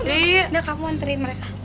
ayo kamu anterin mereka